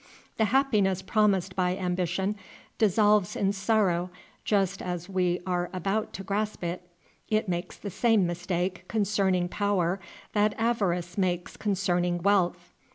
The happiness promised by ambition dissolves in sorrow just as we are about to grasp it. It makes the same mistake concerning power that avarice makes concerning wealth.